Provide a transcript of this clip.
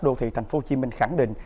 đô thị tp hcm khẳng định